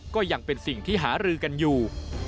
ก็ยังเป็นสิ่งที่หารือกันอยู่